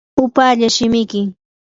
upallaa shimiki.